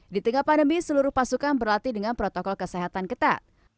di tengah pandemi seluruh pasukan berlatih dengan protokol kesehatan ketat